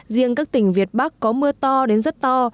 riêng các tỉnh việt bắc có mưa to đến rất to